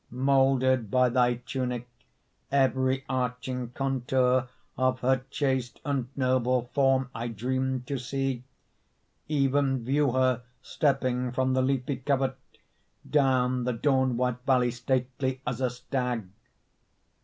Molded by thy tunic, Every arching contour Of her chaste and noble Form I dream to see; Even view her stepping From the leafy covert Down the dawn white valley, Stately as a stag.